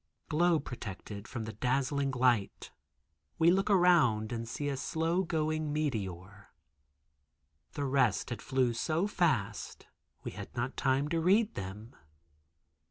Globe protected from the dazzling light, we look around and see a slow going meteor—the rest had flew so fast, we had not time to read them.